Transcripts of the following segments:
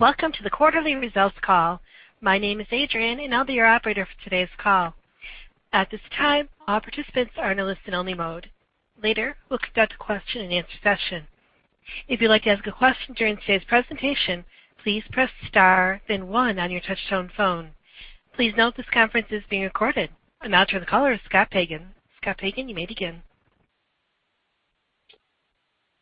Welcome to the quarterly results call. My name is Adrian, I'll be your operator for today's call. At this time, all participants are in a listen-only mode. Later, we'll conduct a question-and-answer session. If you'd like to ask a question during today's presentation, please press star, then one on your touchtone phone. Please note this conference is being recorded. Now turn the call over to Scott Pagan. Scott Pagan, you may begin.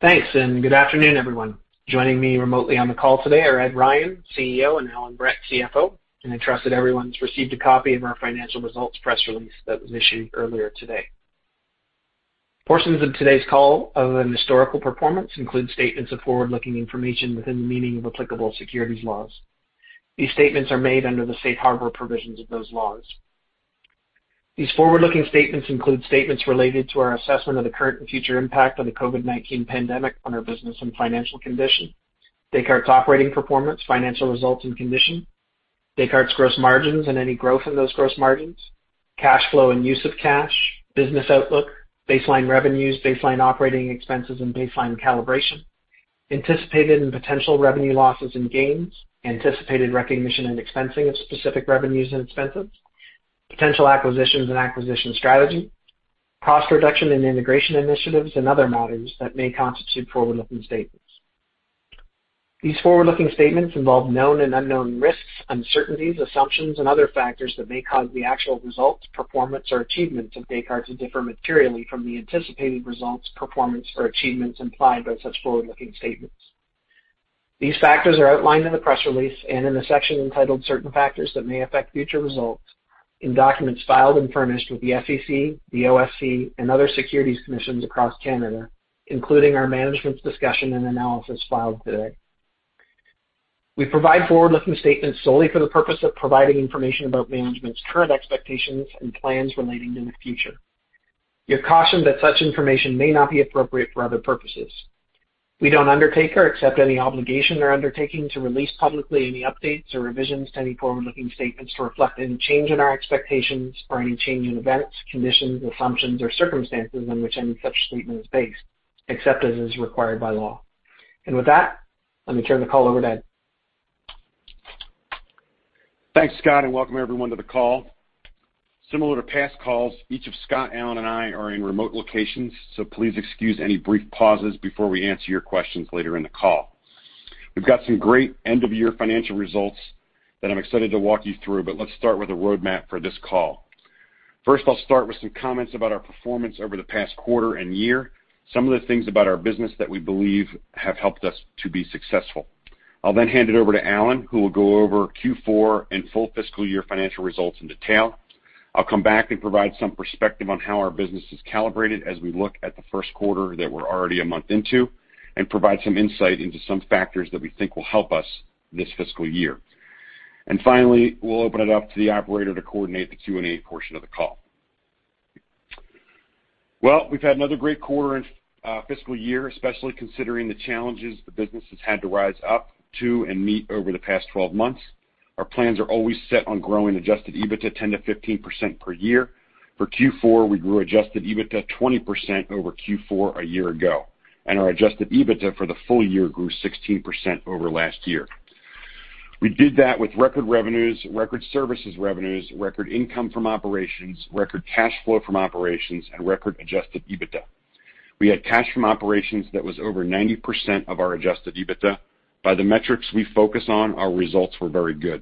Thanks, and good afternoon, everyone. Joining me remotely on the call today are Ed Ryan, CEO, and Allan Brett, CFO. I trust that everyone's received a copy of our financial results press release that was issued earlier today. Portions of today's call, other than historical performance, include statements of forward-looking information within the meaning of applicable securities laws. These statements are made under the safe harbor provisions of those laws. These forward-looking statements include statements related to our assessment of the current and future impact of the COVID-19 pandemic on our business and financial condition, Descartes' operating performance, financial results, and condition, Descartes' gross margins and any growth in those gross margins, cash flow and use of cash, business outlook, baseline revenues, baseline operating expenses, and baseline calibration, anticipated and potential revenue losses and gains, anticipated recognition and expensing of specific revenues and expenses, potential acquisitions and acquisition strategy, cost reduction and integration initiatives, and other matters that may constitute forward-looking statements. These forward-looking statements involve known and unknown risks, uncertainties, assumptions, and other factors that may cause the actual results, performance, or achievements of Descartes to differ materially from the anticipated results, performance, or achievements implied by such forward-looking statements. These factors are outlined in the press release and in the section entitled Certain Factors That May Affect Future Results in documents filed and furnished with the SEC, the OSC, and other securities commissions across Canada, including our management's discussion and analysis filed today. We provide forward-looking statements solely for the purpose of providing information about management's current expectations and plans relating to the future. You're cautioned that such information may not be appropriate for other purposes. We don't undertake or accept any obligation or undertaking to release publicly any updates or revisions to any forward-looking statements to reflect any change in our expectations or any change in events, conditions, assumptions, or circumstances on which any such statement is based, except as is required by law. With that, let me turn the call over to Ed. Thanks, Scott. Welcome everyone to the call. Similar to past calls, each of Scott, Allan, and I are in remote locations, so please excuse any brief pauses before we answer your questions later in the call. We've got some great end-of-year financial results that I'm excited to walk you through, but let's start with a roadmap for this call. First, I'll start with some comments about our performance over the past quarter and year, some of the things about our business that we believe have helped us to be successful. I'll then hand it over to Allan, who will go over Q4 and full fiscal year financial results in detail. I'll come back and provide some perspective on how our business is calibrated as we look at the first quarter that we're already a month into and provide some insight into some factors that we think will help us this fiscal year. Finally, we'll open it up to the operator to coordinate the Q&A portion of the call. Well, we've had another great quarter and fiscal year, especially considering the challenges the business has had to rise up to and meet over the past 12 months. Our plans are always set on growing adjusted EBITDA 10%-15% per year. For Q4, we grew adjusted EBITDA 20% over Q4 a year ago, and our adjusted EBITDA for the full year grew 16% over last year. We did that with record revenues, record services revenues, record income from operations, record cash flow from operations, and record adjusted EBITDA. We had cash from operations that was over 90% of our adjusted EBITDA. By the metrics we focus on, our results were very good.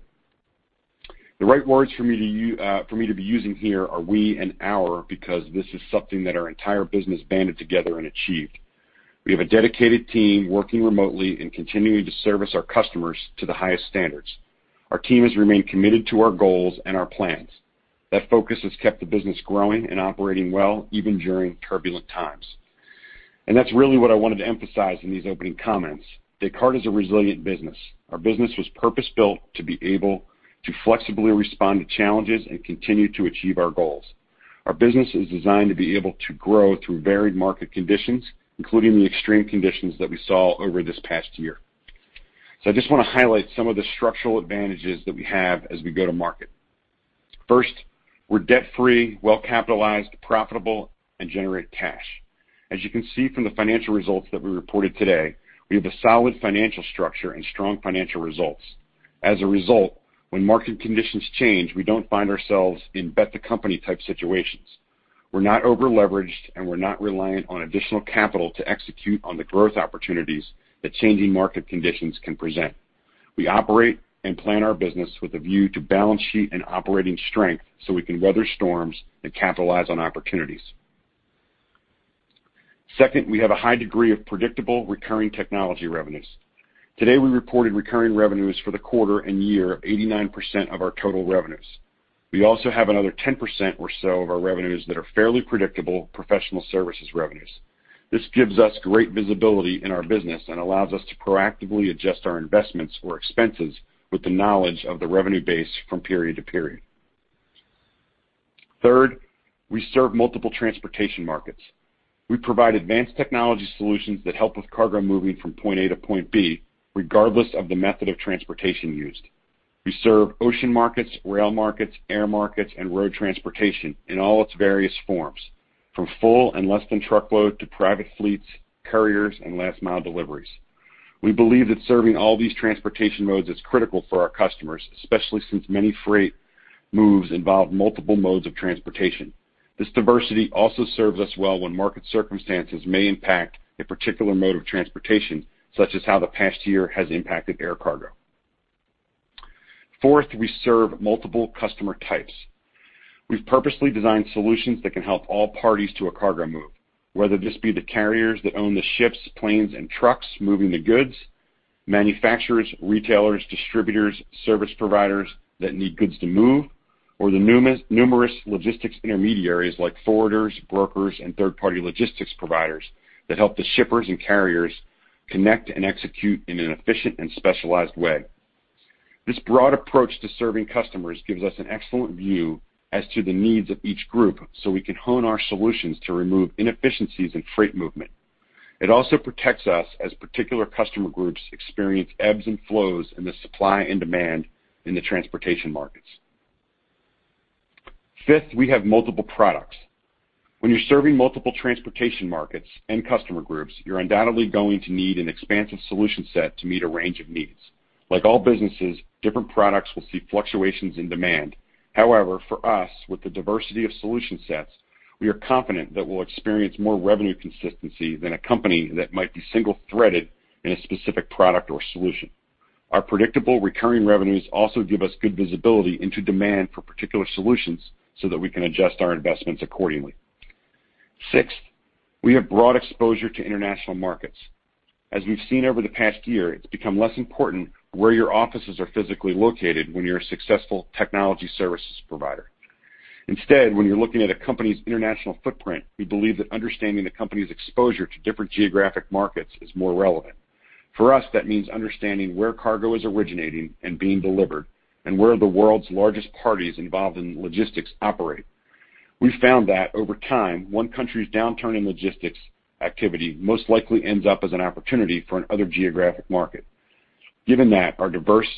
The right words for me to be using here are we and our, because this is something that our entire business banded together and achieved. We have a dedicated team working remotely and continuing to service our customers to the highest standards. Our team has remained committed to our goals and our plans. That focus has kept the business growing and operating well, even during turbulent times. That's really what I wanted to emphasize in these opening comments. Descartes is a resilient business. Our business was purpose-built to be able to flexibly respond to challenges and continue to achieve our goals. Our business is designed to be able to grow through varied market conditions, including the extreme conditions that we saw over this past year. I just want to highlight some of the structural advantages that we have as we go to market. First, we're debt-free, well-capitalized, profitable, and generate cash. As you can see from the financial results that we reported today, we have a solid financial structure and strong financial results. As a result, when market conditions change, we don't find ourselves in bet-the-company type situations. We're not over-leveraged, and we're not reliant on additional capital to execute on the growth opportunities that changing market conditions can present. We operate and plan our business with a view to balance sheet and operating strength so we can weather storms and capitalize on opportunities. Second, we have a high degree of predictable recurring technology revenues. Today, we reported recurring revenues for the quarter and year of 89% of our total revenues. We also have another 10% or so of our revenues that are fairly predictable professional services revenues. This gives us great visibility in our business and allows us to proactively adjust our investments or expenses with the knowledge of the revenue base from period to period. Third, we serve multiple transportation markets. We provide advanced technology solutions that help with cargo moving from point A to point B, regardless of the method of transportation used. We serve ocean markets, rail markets, air markets, and road transportation in all its various forms, from full and less-than-truckload to private fleets, couriers, and last-mile deliveries. We believe that serving all these transportation modes is critical for our customers, especially since many freight moves involve multiple modes of transportation. This diversity also serves us well when market circumstances may impact a particular mode of transportation, such as how the past year has impacted air cargo. Fourth, we serve multiple customer types. We've purposely designed solutions that can help all parties to a cargo move, whether this be the carriers that own the ships, planes, and trucks moving the goods, manufacturers, retailers, distributors, service providers that need goods to move, or the numerous logistics intermediaries like forwarders, brokers, and third-party logistics providers that help the shippers and carriers connect and execute in an efficient and specialized way. This broad approach to serving customers gives us an excellent view as to the needs of each group so we can hone our solutions to remove inefficiencies in freight movement. It also protects us as particular customer groups experience ebbs and flows in the supply and demand in the transportation markets. Fifth, we have multiple products. When you're serving multiple transportation markets and customer groups, you're undoubtedly going to need an expansive solution set to meet a range of needs. Like all businesses, different products will see fluctuations in demand. However, for us, with the diversity of solution sets, we are confident that we'll experience more revenue consistency than a company that might be single-threaded in a specific product or solution. Our predictable recurring revenues also give us good visibility into demand for particular solutions so that we can adjust our investments accordingly. Sixth, we have broad exposure to international markets. As we've seen over the past year, it's become less important where your offices are physically located when you're a successful technology services provider. Instead, when you're looking at a company's international footprint, we believe that understanding the company's exposure to different geographic markets is more relevant. For us, that means understanding where cargo is originating and being delivered and where the world's largest parties involved in logistics operate. We found that over time, one country's downturn in logistics activity most likely ends up as an opportunity for another geographic market. Given that our diverse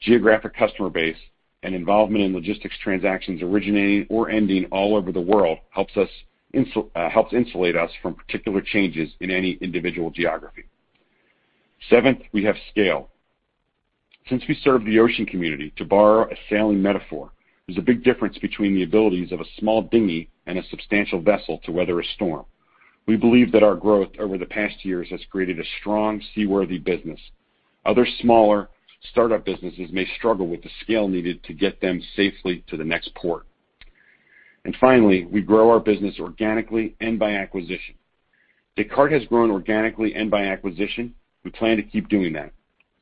geographic customer base and involvement in logistics transactions originating or ending all over the world helps insulate us from particular changes in any individual geography. Seventh, we have scale. Since we serve the ocean community, to borrow a sailing metaphor, there's a big difference between the abilities of a small dinghy and a substantial vessel to weather a storm. We believe that our growth over the past years has created a strong, seaworthy business. Other smaller startup businesses may struggle with the scale needed to get them safely to the next port. finally, we grow our business organically and by acquisition. Descartes has grown organically and by acquisition. We plan to keep doing that.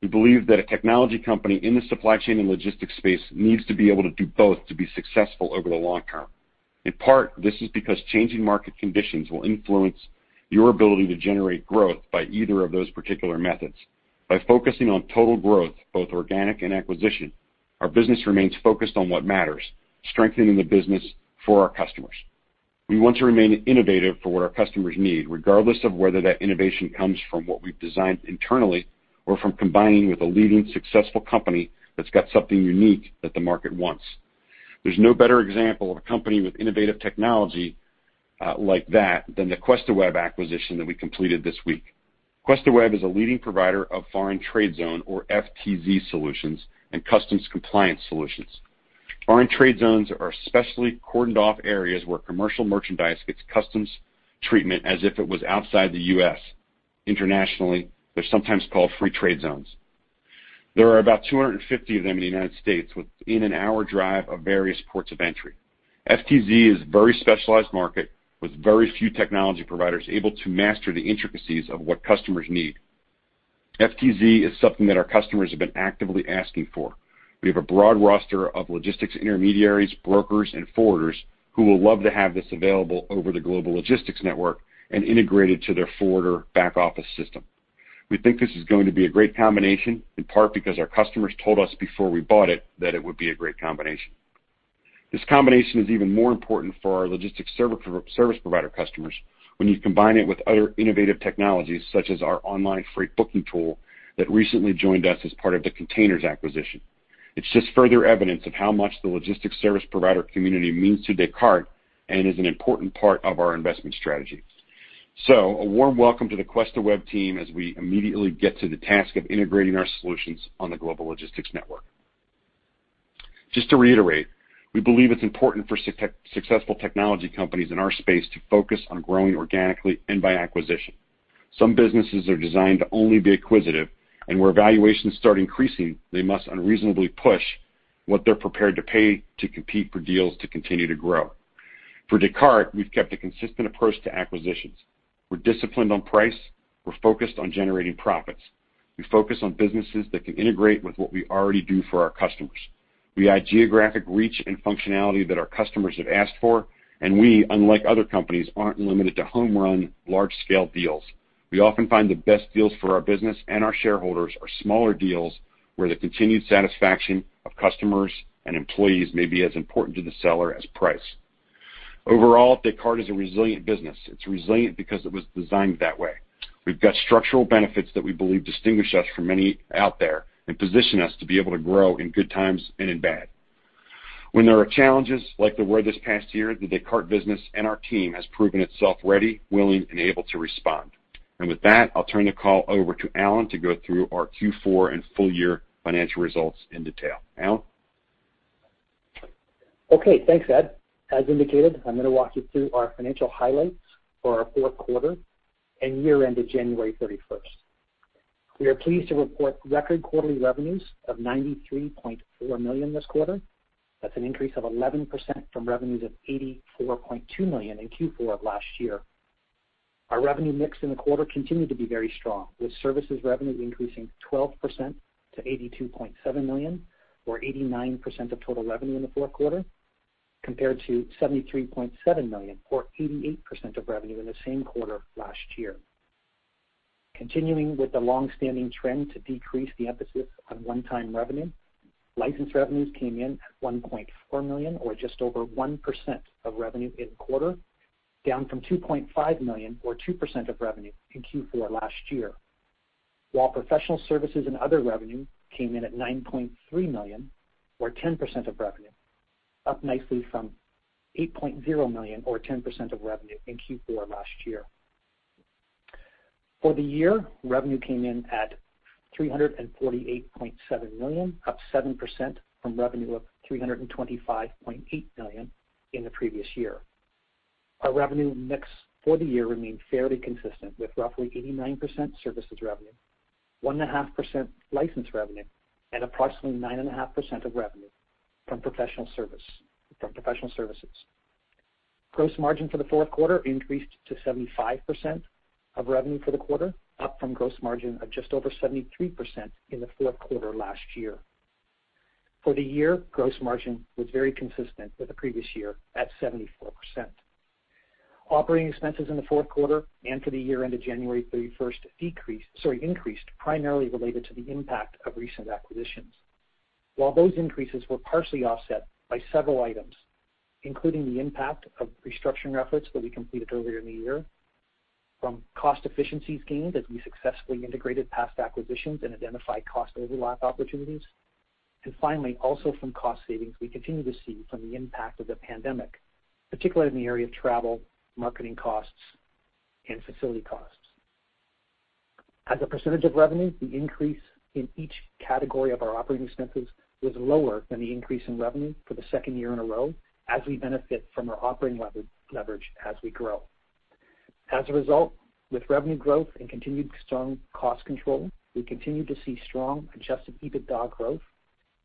We believe that a technology company in the supply chain and logistics space needs to be able to do both to be successful over the long term. In part, this is because changing market conditions will influence your ability to generate growth by either of those particular methods. By focusing on total growth, both organic and acquisition, our business remains focused on what matters, strengthening the business for our customers. We want to remain innovative for what our customers need, regardless of whether that innovation comes from what we've designed internally or from combining with a leading successful company that's got something unique that the market wants. There's no better example of a company with innovative technology like that than the QuestaWeb acquisition that we completed this week. QuestaWeb is a leading provider of foreign trade zone or FTZ solutions and customs compliance solutions. Foreign trade zones are specially cordoned off areas where commercial merchandise gets customs treatment as if it was outside the U.S. Internationally, they're sometimes called free trade zones. There are about 250 of them in the United States within an hour drive of various ports of entry. FTZ is a very specialized market with very few technology providers able to master the intricacies of what customers need. FTZ is something that our customers have been actively asking for. We have a broad roster of logistics intermediaries, brokers, and forwarders who will love to have this available over the Global Logistics Network and integrated to their forwarder back office system. We think this is going to be a great combination, in part because our customers told us before we bought it that it would be a great combination. This combination is even more important for our logistics service provider customers when you combine it with other innovative technologies, such as our online freight booking tool that recently joined us as part of the Kontainers acquisition. It's just further evidence of how much the logistics service provider community means to Descartes and is an important part of our investment strategy. A warm welcome to the QuestaWeb team as we immediately get to the task of integrating our solutions on the Global Logistics Network. Just to reiterate, we believe it's important for successful technology companies in our space to focus on growing organically and by acquisition. Some businesses are designed to only be acquisitive, and where valuations start increasing, they must unreasonably push what they're prepared to pay to compete for deals to continue to grow. For Descartes, we've kept a consistent approach to acquisitions. We're disciplined on price. We're focused on generating profits. We focus on businesses that can integrate with what we already do for our customers. We add geographic reach and functionality that our customers have asked for, and we, unlike other companies, aren't limited to home-run large-scale deals. We often find the best deals for our business and our shareholders are smaller deals where the continued satisfaction of customers and employees may be as important to the seller as price. Overall, Descartes is a resilient business. It's resilient because it was designed that way. We've got structural benefits that we believe distinguish us from many out there and position us to be able to grow in good times and in bad. When there are challenges like there were this past year, the Descartes business and our team has proven itself ready, willing, and able to respond. With that, I'll turn the call over to Allan to go through our Q4 and full year financial results in detail. Allan? Okay, thanks, Ed. As indicated, I'm going to walk you through our financial highlights for our fourth quarter and year end of January 31. We are pleased to report record quarterly revenues of 93.4 million this quarter. That's an increase of 11% from revenues of 84.2 million in Q4 of last year. Our revenue mix in the quarter continued to be very strong, with services revenue increasing 12% to 82.7 million or 89% of total revenue in the fourth quarter, compared to 73.7 million or 88% of revenue in the same quarter last year. Continuing with the longstanding trend to decrease the emphasis on one-time revenue, license revenues came in at 1.4 million or just over 1% of revenue in the quarter, down from 2.5 million or 2% of revenue in Q4 last year. While professional services and other revenue came in at 9.3 million, or 10% of revenue, up nicely from 8.0 million or 10% of revenue in Q4 last year. For the year, revenue came in at 348.7 million, up 7% from revenue of 325.8 million in the previous year. Our revenue mix for the year remained fairly consistent with roughly 89% services revenue, 1.5% license revenue, and approximately 9.5% of revenue from professional services. Gross margin for the fourth quarter increased to 75% of revenue for the quarter, up from gross margin of just over 73% in the fourth quarter last year. For the year, gross margin was very consistent with the previous year at 74%. Operating expenses in the fourth quarter and for the year end of January 31st increased primarily related to the impact of recent acquisitions. While those increases were partially offset by several items, including the impact of restructuring efforts that we completed earlier in the year, from cost efficiencies gained as we successfully integrated past acquisitions and identified cost overlap opportunities, and finally, also from cost savings we continue to see from the impact of the pandemic, particularly in the area of travel, marketing costs, and facility costs. As a percentage of revenue, the increase in each category of our operating expenses was lower than the increase in revenue for the second year in a row as we benefit from our operating leverage as we grow. As a result, with revenue growth and continued strong cost control, we continue to see strong adjusted EBITDA growth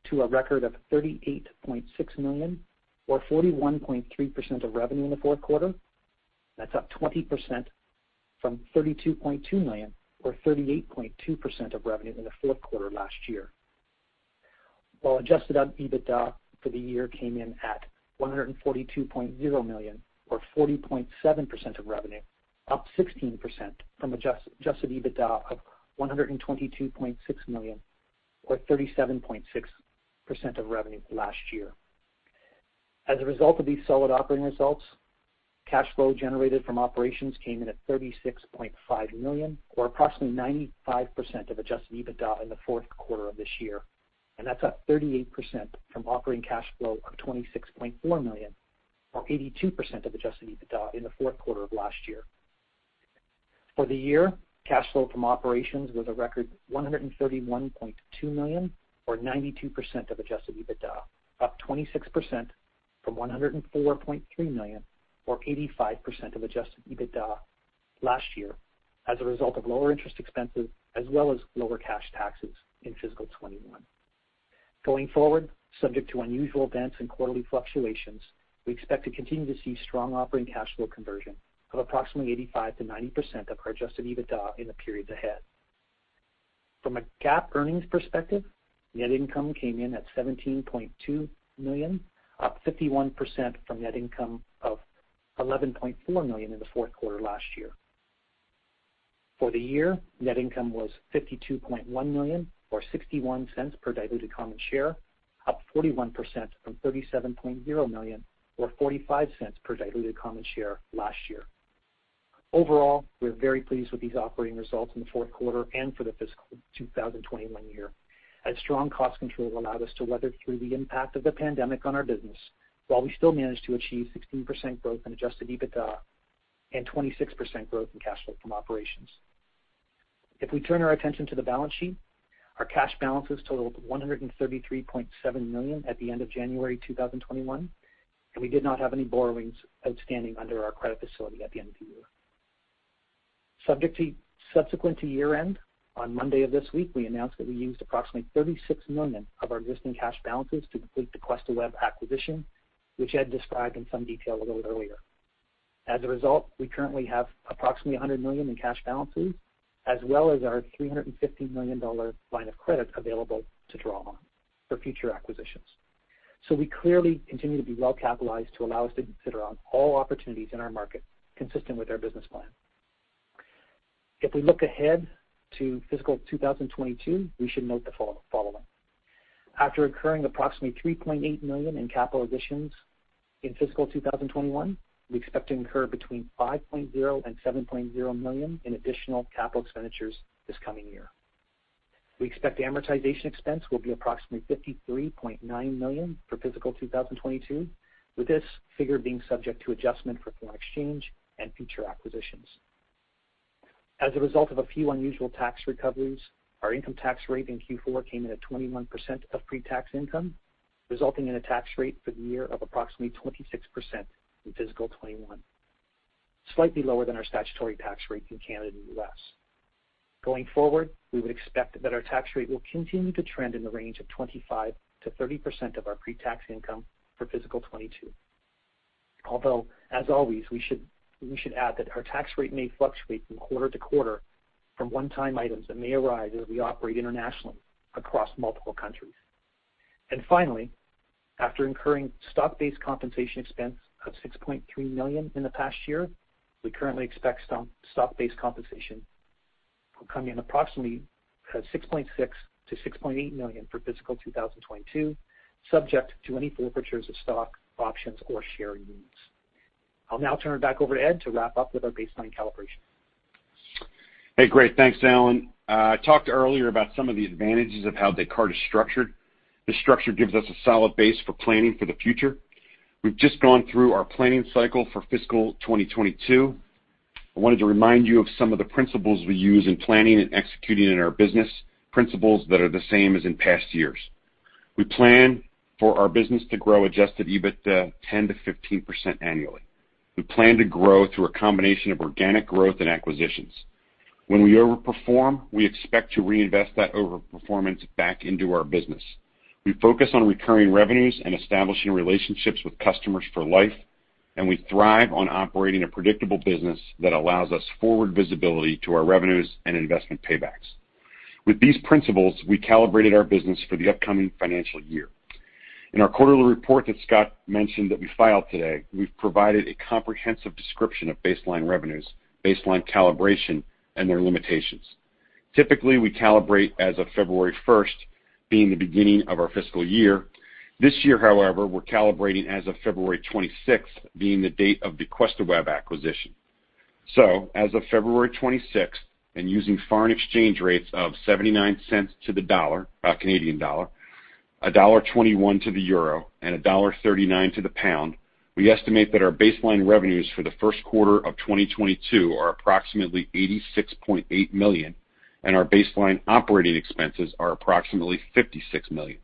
to a record of 38.6 million or 41.3% of revenue in the fourth quarter. That's up 20% from 32.2 million or 38.2% of revenue in the fourth quarter last year. While adjusted EBITDA for the year came in at 142.0 million or 40.7% of revenue, up 16% from adjusted EBITDA of 122.6 million or 37.6% of revenue last year. As a result of these solid operating results, cash flow generated from operations came in at 36.5 million or approximately 95% of adjusted EBITDA in the fourth quarter of this year, and that's up 38% from operating cash flow of 26.4 million or 82% of adjusted EBITDA in the fourth quarter of last year. For the year, cash flow from operations was a record 131.2 million or 92% of adjusted EBITDA, up 26% from 104.3 million or 85% of adjusted EBITDA last year as a result of lower interest expenses, as well as lower cash taxes in fiscal 2021. Going forward, subject to unusual events and quarterly fluctuations, we expect to continue to see strong operating cash flow conversion of approximately 85%-90% of our adjusted EBITDA in the periods ahead. From a GAAP earnings perspective, net income came in at 17.2 million, up 51% from net income of 11.4 million in the fourth quarter last year. For the year, net income was 52.1 million or 0.61 per diluted common share, up 41% from 37.0 million or 0.45 per diluted common share last year. Overall, we are very pleased with these operating results in the fourth quarter and for the fiscal 2021 year, as strong cost control allowed us to weather through the impact of the pandemic on our business, while we still managed to achieve 16% growth in adjusted EBITDA and 26% growth in cash flow from operations. If we turn our attention to the balance sheet, our cash balances totaled 133.7 million at the end of January 2021, and we did not have any borrowings outstanding under our credit facility at the end of the year. Subsequent to year-end, on Monday of this week, we announced that we used approximately 36 million of our existing cash balances to complete the QuestaWeb acquisition, which Ed described in some detail a little earlier. As a result, we currently have approximately 100 million in cash balances, as well as our 350 million dollar line of credit available to draw on for future acquisitions. We clearly continue to be well capitalized to allow us to consider on all opportunities in our market consistent with our business plan. If we look ahead to fiscal 2022, we should note the following. After incurring approximately 3.8 million in capital additions in fiscal 2021, we expect to incur between 5.0 and 7.0 million in additional capital expenditures this coming year. We expect amortization expense will be approximately 53.9 million for fiscal 2022, with this figure being subject to adjustment for foreign exchange and future acquisitions. As a result of a few unusual tax recoveries, our income tax rate in Q4 came in at 21% of pre-tax income, resulting in a tax rate for the year of approximately 26% in fiscal 2021, slightly lower than our statutory tax rate in Canada and U.S. Going forward, we would expect that our tax rate will continue to trend in the range of 25% to 30% of our pre-tax income for fiscal 2022.Although, as always, we should add that our tax rate may fluctuate from quarter to quarter from one-time items that may arise as we operate internationally across multiple countries. Finally, after incurring stock-based compensation expense of 6.3 million in the past year, we currently expect stock-based compensation will come in approximately at 6.6 million-6.8 million for fiscal 2022, subject to any forfeitures of stock options or share units. I'll now turn it back over to Ed to wrap up with our baseline calibration. Hey, great. Thanks, Allan. I talked earlier about some of the advantages of how Descartes is structured. This structure gives us a solid base for planning for the future. We've just gone through our planning cycle for fiscal 2022. I wanted to remind you of some of the principles we use in planning and executing in our business, principles that are the same as in past years. We plan for our business to grow adjusted EBITDA 10% to 15% annually. We plan to grow through a combination of organic growth and acquisitions. When we overperform, we expect to reinvest that overperformance back into our business. We focus on recurring revenues and establishing relationships with customers for life, and we thrive on operating a predictable business that allows us forward visibility to our revenues and investment paybacks. With these principles, we calibrated our business for the upcoming financial year. In our quarterly report that Scott mentioned that we filed today, we've provided a comprehensive description of baseline revenues, baseline calibration, and their limitations. Typically, we calibrate as of February 1st being the beginning of our fiscal year. This year, however, we're calibrating as of February 26th being the date of the QuestaWeb acquisition. So as of February 26th, and using foreign exchange rates of 79 cents to the Canadian dollar, $1.21 to the euro, and $1.39 to the pound, we estimate that our baseline revenues for the first quarter of 2022 are approximately 86.8 million, and our baseline operating expenses are approximately 56 million.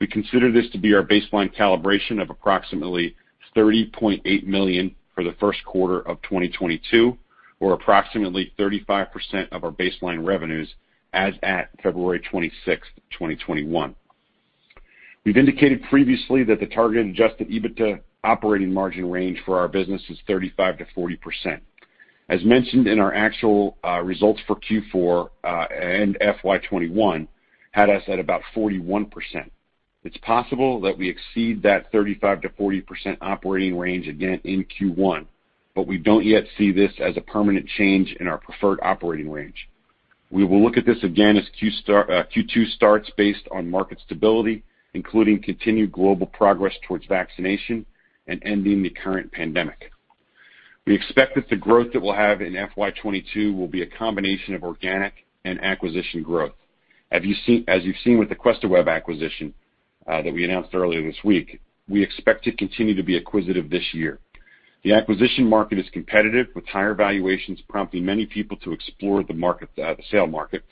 We consider this to be our baseline calibration of approximately 30.8 million for the first quarter of 2022, or approximately 35% of our baseline revenues as at February 26th, 2021. We've indicated previously that the target adjusted EBITDA operating margin range for our business is 35%-40%. As mentioned in our actual results for Q4 and FY 2021 had us at about 41%. It's possible that we exceed that 35%-40% operating range again in Q1, but we don't yet see this as a permanent change in our preferred operating range. We will look at this again as Q2 starts based on market stability, including continued global progress towards vaccination and ending the current pandemic. We expect that the growth that we'll have in FY 2022 will be a combination of organic and acquisition growth. As you've seen with the QuestaWeb acquisition that we announced earlier this week, we expect to continue to be acquisitive this year. The acquisition market is competitive, with higher valuations prompting many people to explore the sale market.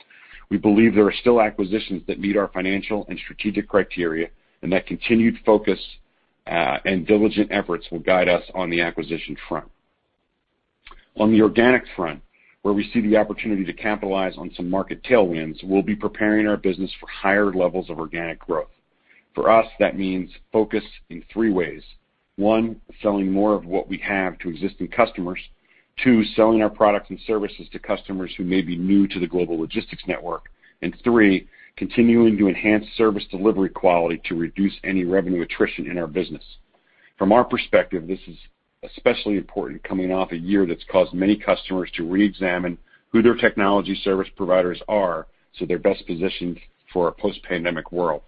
We believe there are still acquisitions that meet our financial and strategic criteria, and that continued focus and diligent efforts will guide us on the acquisition front. On the organic front, where we see the opportunity to capitalize on some market tailwinds, we'll be preparing our business for higher levels of organic growth. For us, that means focus in three ways. One, selling more of what we have to existing customers. Two, selling our products and services to customers who may be new to the global logistics network. Three, continuing to enhance service delivery quality to reduce any revenue attrition in our business. From our perspective, this is especially important coming off a year that's caused many customers to reexamine who their technology service providers are so they're best positioned for a post-pandemic world.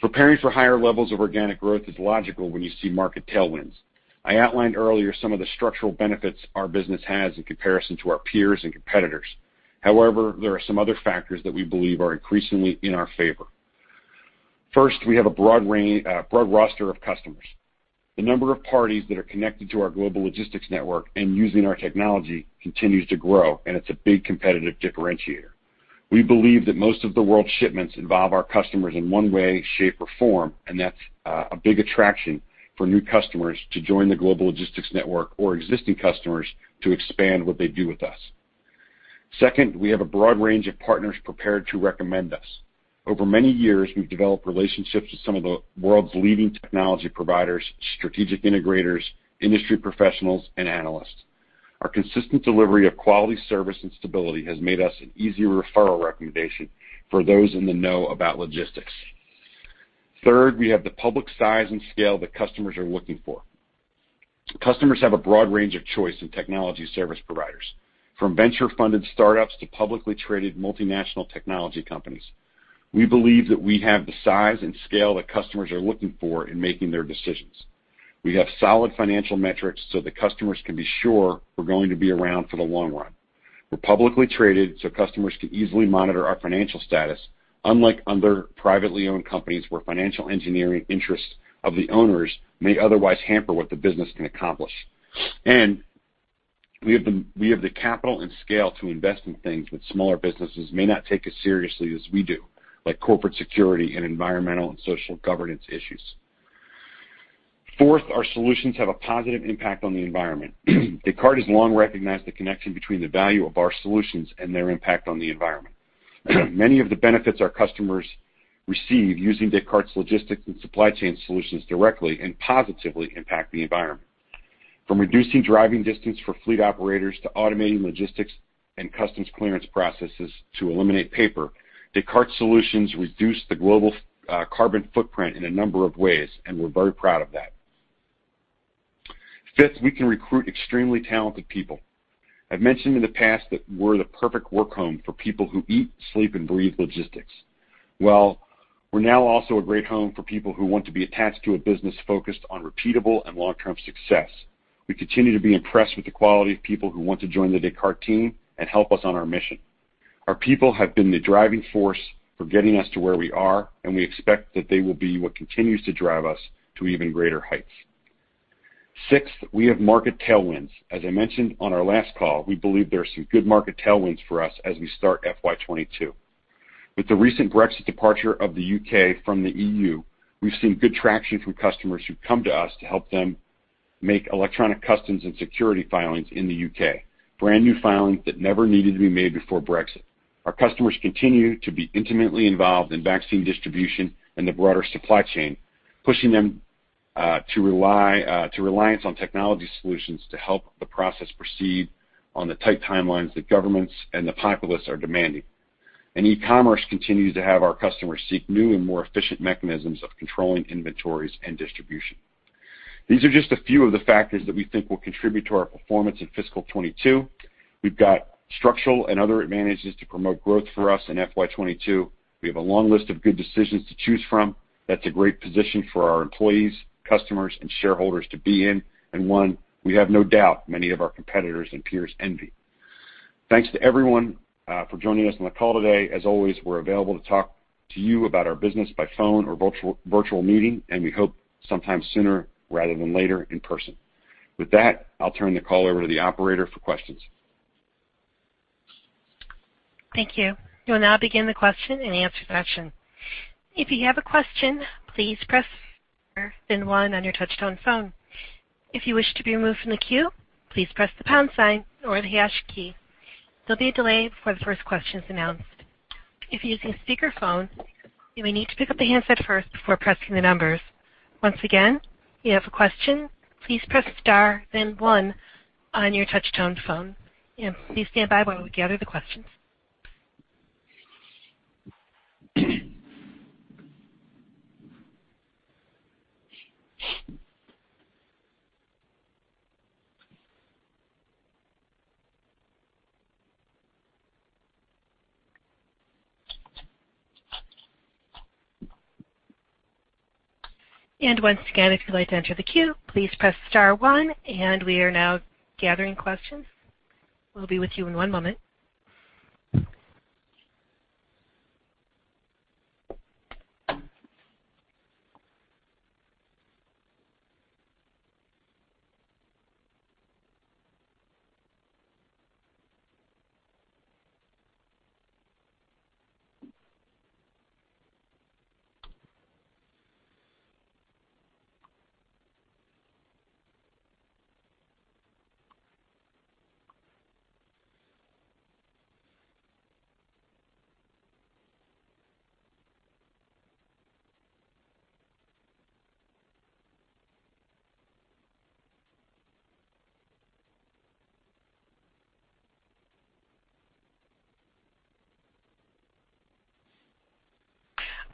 Preparing for higher levels of organic growth is logical when you see market tailwinds. I outlined earlier some of the structural benefits our business has in comparison to our peers and competitors. However, there are some other factors that we believe are increasingly in our favor. First, we have a broad roster of customers. The number of parties that are connected to our global logistics network and using our technology continues to grow, and it's a big competitive differentiator. We believe that most of the world's shipments involve our customers in one way, shape, or form, and that's a big attraction for new customers to join the global logistics network or existing customers to expand what they do with us. Second, we have a broad range of partners prepared to recommend us. Over many years, we've developed relationships with some of the world's leading technology providers, strategic integrators, industry professionals, and analysts. Our consistent delivery of quality service and stability has made us an easy referral recommendation for those in the know about logistics. Third, we have the public size and scale that customers are looking for. Customers have a broad range of choice in technology service providers, from venture-funded startups to publicly traded multinational technology companies. We believe that we have the size and scale that customers are looking for in making their decisions. We have solid financial metrics so that customers can be sure we're going to be around for the long run. We're publicly traded so customers can easily monitor our financial status, unlike other privately owned companies where financial engineering interests of the owners may otherwise hamper what the business can accomplish. We have the capital and scale to invest in things that smaller businesses may not take as seriously as we do, like corporate security and environmental and social governance issues. Fourth, our solutions have a positive impact on the environment. Descartes has long recognized the connection between the value of our solutions and their impact on the environment. Many of the benefits our customers receive using Descartes logistics and supply chain solutions directly and positively impact the environment. From reducing driving distance for fleet operators to automating logistics and customs clearance processes to eliminate paper, Descartes solutions reduce the global carbon footprint in a number of ways, and we're very proud of that. Fifth, we can recruit extremely talented people. I've mentioned in the past that we're the perfect work home for people who eat, sleep, and breathe logistics. Well, we're now also a great home for people who want to be attached to a business focused on repeatable and long-term success. We continue to be impressed with the quality of people who want to join the Descartes team and help us on our mission. Our people have been the driving force for getting us to where we are, and we expect that they will be what continues to drive us to even greater heights. Sixth, we have market tailwinds. As I mentioned on our last call, we believe there are some good market tailwinds for us as we start FY 2022. With the recent Brexit departure of the U.K. from the EU, we've seen good traction from customers who come to us to help them make electronic customs and security filings in the U.K., brand new filings that never needed to be made before Brexit. Our customers continue to be intimately involved in vaccine distribution and the broader supply chain, pushing them to reliance on technology solutions to help the process proceed on the tight timelines that governments and the populace are demanding. e-commerce continues to have our customers seek new and more efficient mechanisms of controlling inventories and distribution. These are just a few of the factors that we think will contribute to our performance in fiscal 2022. We've got structural and other advantages to promote growth for us in FY 2022. We have a long list of good decisions to choose from. That's a great position for our employees, customers, and shareholders to be in, and one we have no doubt many of our competitors and peers envy. Thanks to everyone for joining us on the call today. As always, we're available to talk to you about our business by phone or virtual meeting, and we hope sometime sooner rather than later in person. With that, I'll turn the call over to the operator for questions. Thank you. We'll now begin the question-and-answer session. If you have a question, please press star then one on your touchtone phone. If you wish to be removed from the queue, please press the pound sign or the hash key. There'll be a delay before the first question is announced. If you're using speakerphone, you may need to pick up the handset first before pressing the numbers. Once again, if you have a question, please press star then one on your touchtone phone. And please stand by while we gather the questions. And once again, if you'd like to enter the queue, please press star one. And we are now gathering questions. We'll be with you in one moment.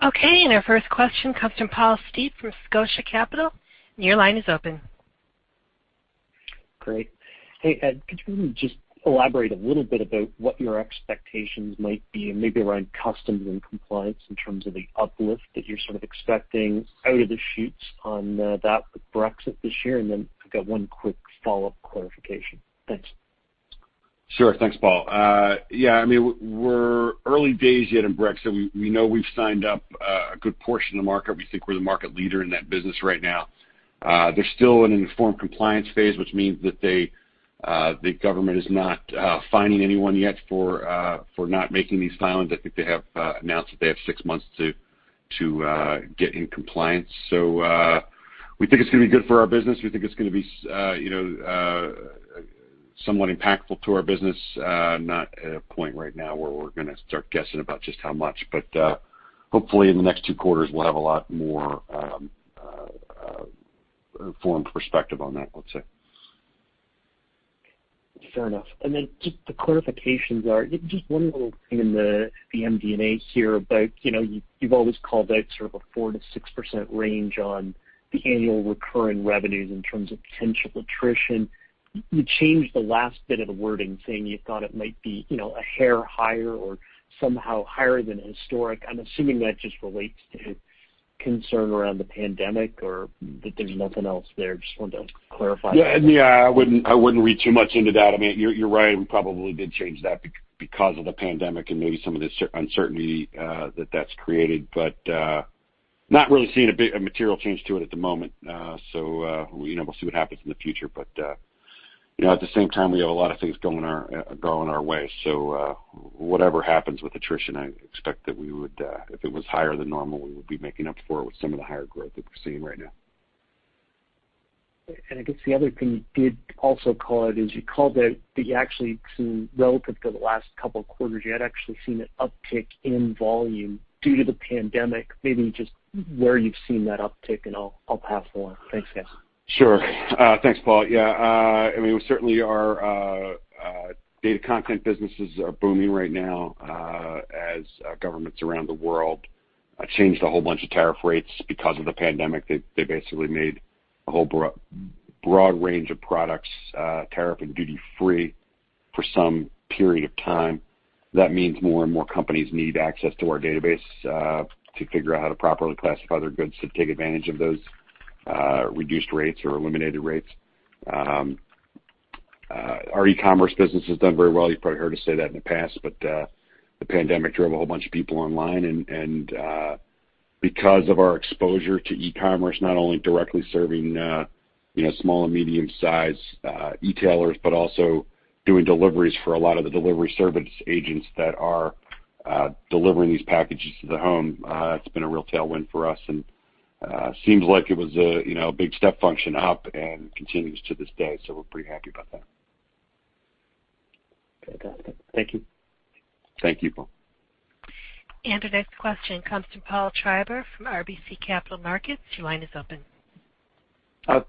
Okay, and our first question comes from Paul Steep from Scotia Capital. And your line is open. Great. Hey, Ed, could you maybe just elaborate a little bit about what your expectations might be, and maybe around customs and compliance in terms of the uplift that you're sort of expecting out of the shoots on that with Brexit this year? I've got one quick follow-up clarification. Thanks. Sure. Thanks, Paul. Yeah, we're early days yet in Brexit. We know we've signed up a good portion of the market. We think we're the market leader in that business right now. They're still in an informed compliance phase, which means that the government is not fining anyone yet for not making these filings. I think they have announced that they have six months to get in compliance. We think it's going to be good for our business. We think it's going to be somewhat impactful to our business. Not at a point right now where we're going to start guessing about just how much. Hopefully in the next two quarters, we'll have a lot more informed perspective on that, let's say. Fair enough. Just the clarifications are just one little thing in the MD&A here about you've always called out sort of a 4%-6% range on the annual recurring revenues in terms of potential attrition. You changed the last bit of the wording, saying you thought it might be a hair higher or somehow higher than historic. I'm assuming that just relates to concern around the pandemic or that there's nothing else there. Just wanted to clarify. Yeah. I wouldn't read too much into that. You're right. We probably did change that because of the pandemic and maybe some of the uncertainty that that's created, but not really seeing a material change to it at the moment. We'll see what happens in the future, but at the same time, we have a lot of things going our way. Whatever happens with attrition, I expect that if it was higher than normal, we would be making up for it with some of the higher growth that we're seeing right now. I guess the other thing you did also call out is you called out that you actually, relative to the last couple of quarters, you had actually seen an uptick in volume due to the pandemic. Maybe just where you've seen that uptick, and I'll pass more. Thanks, guys. Sure. Thanks, Paul. Yeah. Certainly our data content businesses are booming right now as governments around the world changed a whole bunch of tariff rates because of the pandemic. They basically made a whole broad range of products tariff and duty-free for some period of time. That means more and more companies need access to our database to figure out how to properly classify their goods to take advantage of those reduced rates or eliminated rates. Our e-commerce business has done very well. You've probably heard us say that in the past, but the pandemic drove a whole bunch of people online. Because of our exposure to e-commerce, not only directly serving small and medium-sized e-tailers, but also doing deliveries for a lot of the delivery service agents that are delivering these packages to the home, it's been a real tailwind for us, and seems like it was a big step function up and continues to this day. We're pretty happy about that. Okay, got it. Thank you. Thank you, Paul. Our next question comes from Paul Treiber from RBC Capital Markets. Your line is open.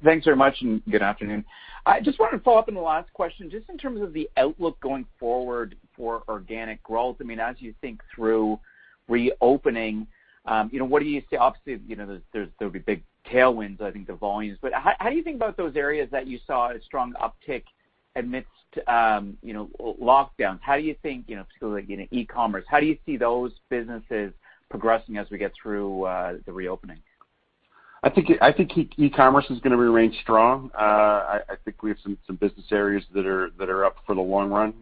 Thanks very much, and good afternoon. I just wanted to follow up on the last question, just in terms of the outlook going forward for organic growth. As you think through reopening, what do you see? Obviously, there'll be big tailwinds, I think, to volumes, but how do you think about those areas that you saw a strong uptick amidst lockdowns? How do you think, particularly in e-commerce, how do you see those businesses progressing as we get through the reopening? I think e-commerce is going to remain strong. I think we have some business areas that are up for the long run,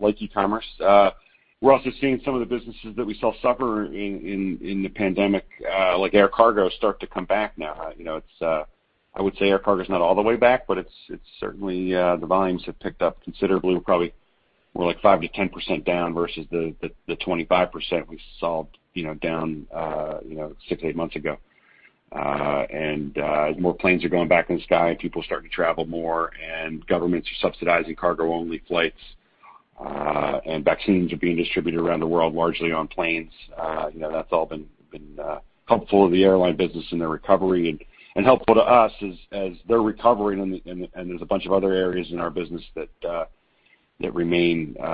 like e-commerce. We're also seeing some of the businesses that we saw suffer in the pandemic, like air cargo, start to come back now. I would say air cargo is not all the way back, but certainly the volumes have picked up considerably. We're probably more like 5% to 10% down versus the 25% we saw down six to eight months ago. more planes are going back in the sky, people are starting to travel more, and governments are subsidizing cargo-only flights, and vaccines are being distributed around the world, largely on planes. That's all been helpful to the airline business and their recovery and helpful to us as they're recovering, and there's a bunch of other areas in our business that remain in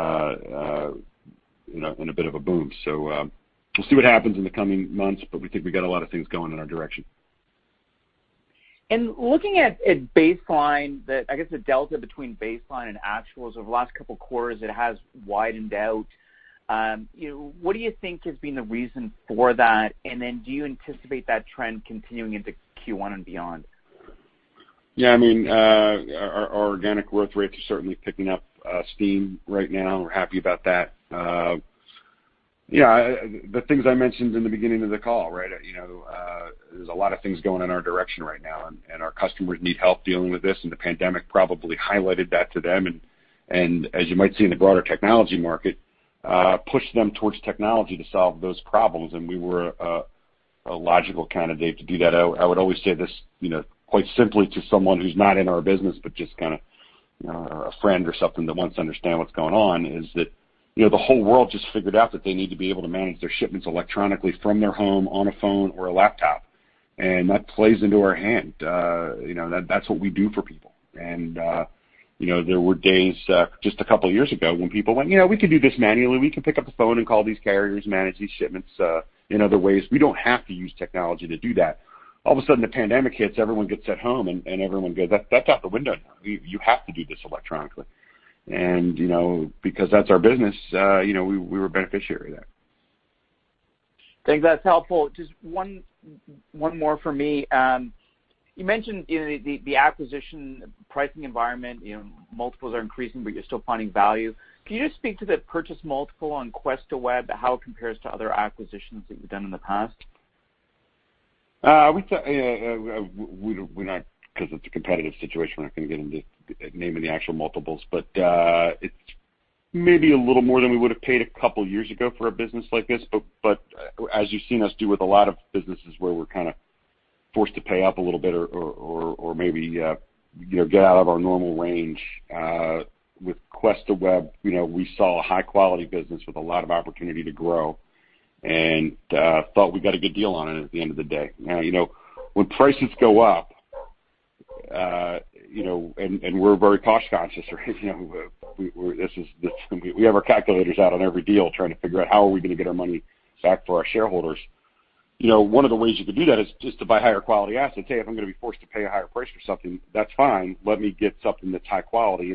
a bit of a boom. we'll see what happens in the coming months, but we think we've got a lot of things going in our direction. Looking at baseline, I guess the delta between baseline and actuals, over the last couple of quarters, it has widened out. What do you think has been the reason for that? Do you anticipate that trend continuing into Q1 and beyond? Yeah. Our organic growth rates are certainly picking up steam right now. We're happy about that. The things I mentioned in the beginning of the call. There's a lot of things going in our direction right now, and our customers need help dealing with this, and the pandemic probably highlighted that to them. As you might see in the broader technology market, pushed them towards technology to solve those problems, and we were a logical candidate to do that. I would always say this quite simply to someone who's not in our business, but just kind of a friend or something that wants to understand what's going on, is that the whole world just figured out that they need to be able to manage their shipments electronically from their home on a phone or a laptop. That plays into our hand. That's what we do for people. there were days just a couple of years ago when people went, "We can do this manually. We can pick up the phone and call these carriers, manage these shipments in other ways. We don't have to use technology to do that." All of a sudden, the pandemic hits, everyone gets at home, and everyone goes, "That's out the window now. You have to do this electronically." because that's our business, we were a beneficiary of that. Think that's helpful. Just one more from me. You mentioned the acquisition pricing environment, multiples are increasing, but you're still finding value. Can you just speak to the purchase multiple on QuestaWeb, how it compares to other acquisitions that you've done in the past? Because it's a competitive situation, we're not going to get into naming the actual multiples. it's maybe a little more than we would have paid a couple of years ago for a business like this. as you've seen us do with a lot of businesses where we're kind of forced to pay up a little bit or maybe get out of our normal range. With QuestaWeb, we saw a high-quality business with a lot of opportunity to grow. thought we got a good deal on it at the end of the day. Now, when prices go up, and we're very cost-conscious, we have our calculators out on every deal trying to figure out how are we going to get our money back for our shareholders. One of the ways you could do that is just to buy higher quality assets. Hey, if I'm going to be forced to pay a higher price for something, that's fine, let me get something that's high quality.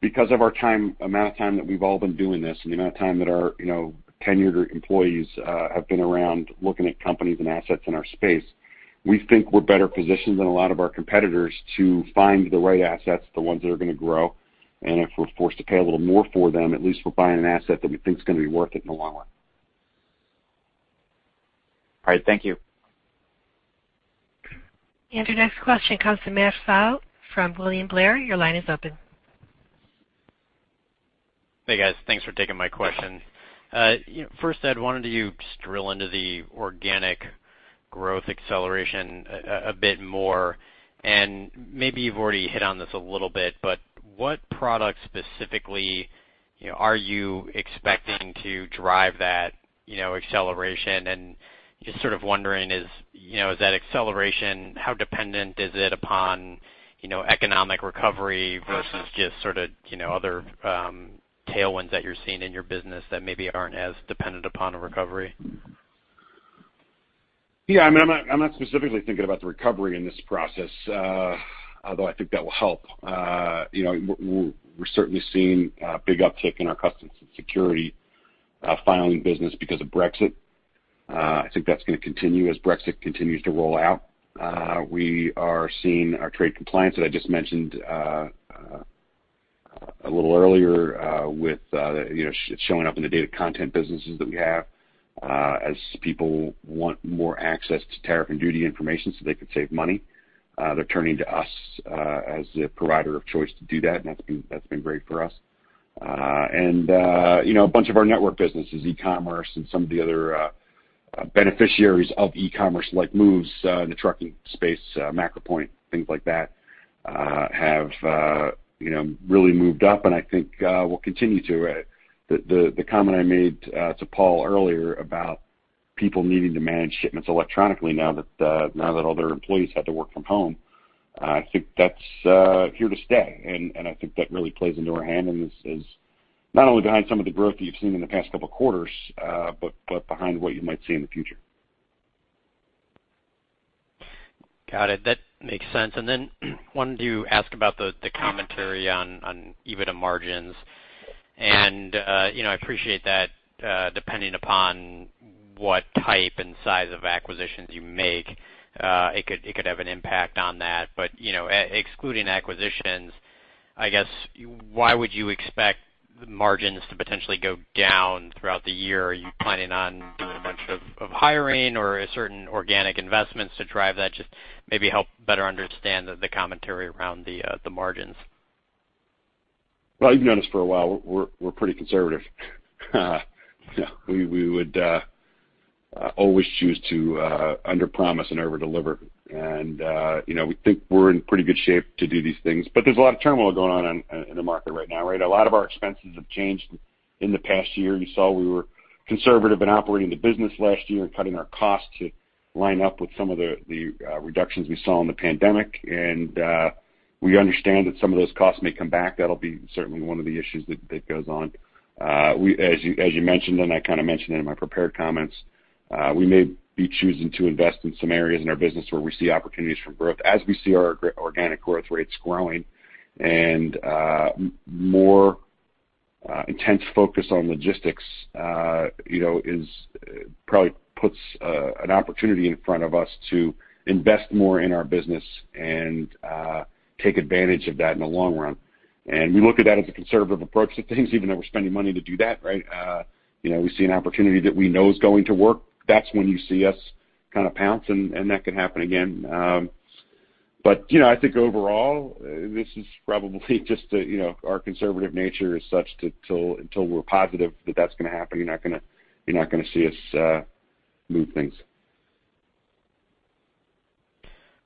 Because of the amount of time that we've all been doing this, and the amount of time that our tenured employees have been around looking at companies and assets in our space, we think we're better positioned than a lot of our competitors to find the right assets, the ones that are going to grow. If we're forced to pay a little more for them, at least we're buying an asset that we think is going to be worth it in the long run. All right. Thank you. Your next question comes from Matthew Pfau from William Blair. Your line is open. Hey, guys. Thanks for taking my question. First, Ed, wanted to just drill into the organic growth acceleration a bit more, and maybe you've already hit on this a little bit, but what products specifically, are you expecting to drive that acceleration? Just sort of wondering, is that acceleration, how dependent is it upon economic recovery versus just sort of other tailwinds that you're seeing in your business that maybe aren't as dependent upon a recovery? Yeah, I'm not specifically thinking about the recovery in this process, although I think that will help. We're certainly seeing a big uptick in our customs and security filing business because of Brexit. I think that's going to continue as Brexit continues to roll out. We are seeing our trade compliance that I just mentioned a little earlier with it showing up in the data content businesses that we have. As people want more access to tariff and duty information so they could save money, they're turning to us as the provider of choice to do that, and that's been great for us. A bunch of our network businesses, e-commerce and some of the other beneficiaries of e-commerce like moves in the trucking space, MacroPoint, things like that have really moved up, and I think will continue to. The comment I made to Paul earlier about people needing to manage shipments electronically now that all their employees had to work from home, I think that's here to stay. I think that really plays into our hand, and is not only behind some of the growth that you've seen in the past couple of quarters, but behind what you might see in the future. Got it. That makes sense. then wanted to ask about the commentary on EBITDA margins. I appreciate that depending upon what type and size of acquisitions you make it could have an impact on that. excluding acquisitions, I guess why would you expect margins to potentially go down throughout the year? Are you planning on doing a bunch of hiring or certain organic investments to drive that? Just maybe help better understand the commentary around the margins. Well, you've known us for a while. We're pretty conservative. We would always choose to underpromise and overdeliver. We think we're in pretty good shape to do these things. There's a lot of turmoil going on in the market right now, right? A lot of our expenses have changed in the past year. You saw we were conservative in operating the business last year and cutting our costs to line up with some of the reductions we saw in the pandemic. We understand that some of those costs may come back. That'll be certainly one of the issues that goes on. As you mentioned, and I kind of mentioned it in my prepared comments, we may be choosing to invest in some areas in our business where we see opportunities for growth as we see our organic growth rates growing. More intense focus on logistics probably puts an opportunity in front of us to invest more in our business and take advantage of that in the long run. we look at that as a conservative approach to things, even though we're spending money to do that, right? We see an opportunity that we know is going to work. That's when you see us kind of pounce, and that could happen again. I think overall, this is probably just our conservative nature is such that until we're positive that that's going to happen, you're not going to see us move things.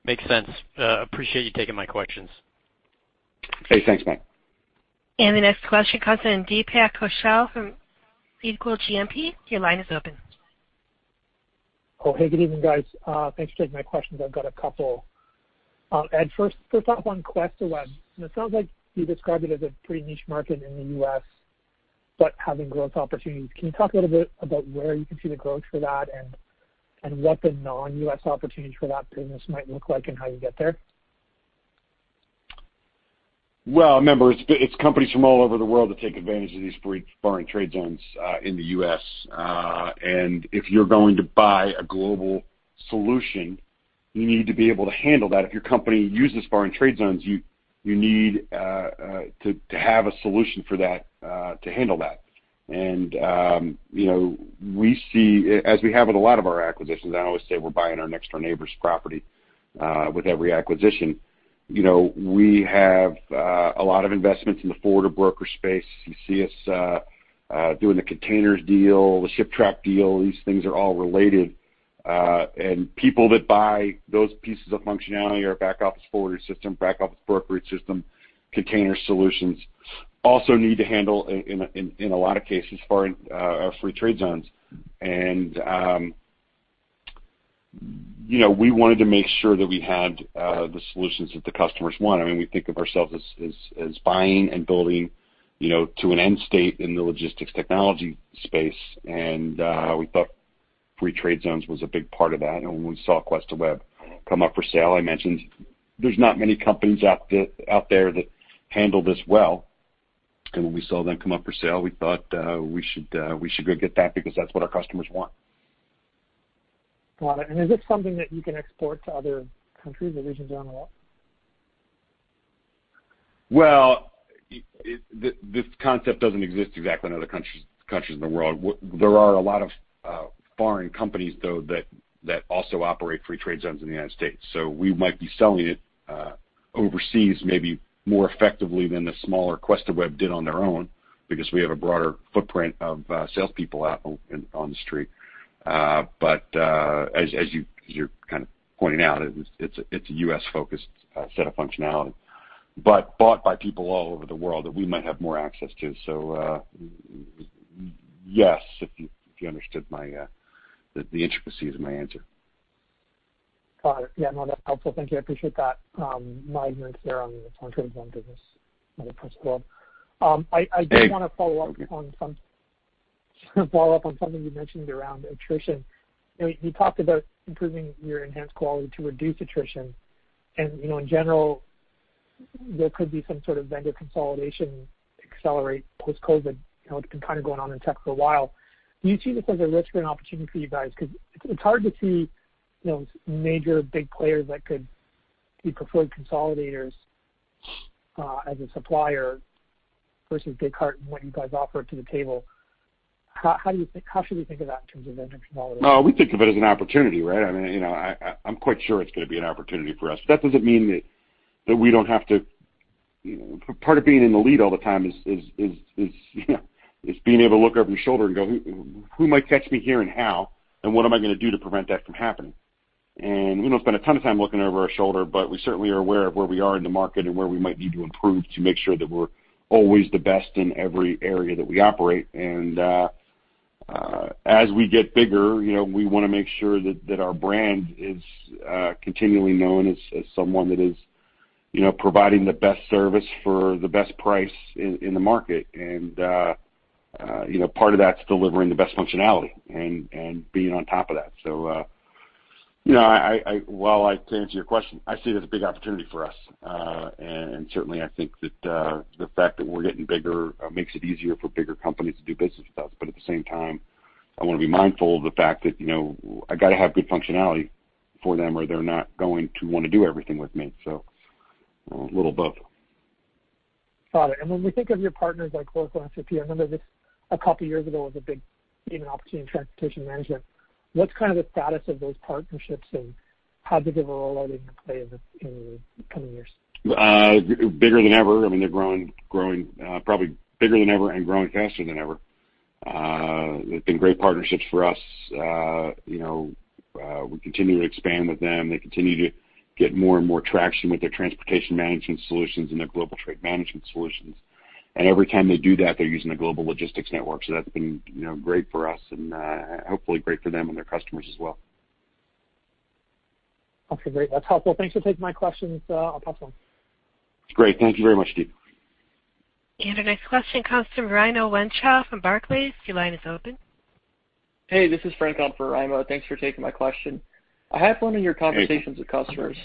Makes sense. Appreciate you taking my questions. Hey, thanks, Matt. The next question comes in from Deepak Kaushal from Stifel GMP. Your line is open. Oh, hey, good evening, guys. Thanks for taking my questions. I've got a couple. Ed, first off on QuestaWeb, and it sounds like you described it as a pretty niche market in the U.S. but having growth opportunities. Can you talk a little bit about where you can see the growth for that and what the non-U.S. opportunities for that business might look like and how you get there? Well, remember, it's companies from all over the world that take advantage of these foreign trade zones in the U.S. If you're going to buy a global solution, you need to be able to handle that. If your company uses foreign trade zones, you need to have a solution for that to handle that. We see, as we have with a lot of our acquisitions, and I always say we're buying our next door neighbor's property with every acquisition. We have a lot of investments in the forwarder broker space. You see us doing the Kontainers deal, the ShipTrack deal. These things are all related. People that buy those pieces of functionality, our back-office forwarding system, back-office brokerage system, container solutions, also need to handle, in a lot of cases, foreign free trade zones. We wanted to make sure that we had the solutions that the customers want. We think of ourselves as buying and building to an end state in the logistics technology space, and we thought free trade zones was a big part of that. When we saw QuestaWeb come up for sale, I mentioned there's not many companies out there that handle this well. When we saw them come up for sale, we thought we should go get that because that's what our customers want. Got it. is this something that you can export to other countries or regions around the world? Well, this concept doesn't exist exactly in other countries in the world. There are a lot of foreign companies, though, that also operate free trade zones in the United States. We might be selling it overseas maybe more effectively than the smaller QuestaWeb did on their own because we have a broader footprint of salespeople out on the street. As you're kind of pointing out, it's a U.S.-focused set of functionality, but bought by people all over the world that we might have more access to. Yes, if you understood the intricacies of my answer. Got it. Yeah, no, that's helpful. Thank you. I appreciate that. My ignorance there on the free trade zone business in the first world. I did want to follow up on something you mentioned around attrition. You talked about improving your enhanced quality to reduce attrition. In general, there could be some sort of vendor consolidation accelerate post-COVID. It's been kind of going on in tech for a while. Do you see this as a risk or an opportunity for you guys? Because it's hard to see major big players that could be preferred consolidators as a supplier versus Descartes and what you guys offer to the table. How should we think of that in terms of vendor consolidation? We think of it as an opportunity, right? I'm quite sure it's going to be an opportunity for us. That doesn't mean that we don't have to. Part of being in the lead all the time is being able to look over your shoulder and go, "Who might catch me here and how, and what am I going to do to prevent that from happening?" We don't spend a ton of time looking over our shoulder, but we certainly are aware of where we are in the market and where we might need to improve to make sure that we're always the best in every area that we operate. As we get bigger, we want to make sure that our brand is continually known as someone that is providing the best service for the best price in the market. Part of that's delivering the best functionality and being on top of that. To answer your question, I see it as a big opportunity for us. Certainly, I think that the fact that we're getting bigger makes it easier for bigger companies to do business with us. At the same time, I want to be mindful of the fact that I got to have good functionality for them, or they're not going to want to do everything with me. A little of both. Got it. When we think of your partners like Oracle and SAP, I remember this a couple of years ago was a big, even opportunity in transportation management. What's kind of the status of those partnerships, and how big of a role are they going to play in the coming years? Bigger than ever. They're growing probably bigger than ever and growing faster than ever. They've been great partnerships for us. We continue to expand with them. They continue to get more and more traction with their transportation management solutions and their global trade management solutions. Every time they do that, they're using a global logistics network. That's been great for us and hopefully great for them and their customers as well. Okay, great. That's helpful. Thanks for taking my questions on top of them. Great. Thank you very much, Steve. Our next question comes from Raimo Lenschow from Barclays. Your line is open. Hey, this is Frank for Raimo. Thanks for taking my question. I have one on your conversations with customers.